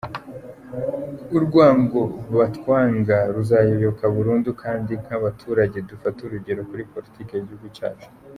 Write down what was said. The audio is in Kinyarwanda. Urwongo batwanga ruzayoyoka burundu kdi nk'abaturage dufate urugero Kuri politike y'igihugu cyacu.